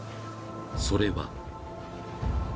［それは］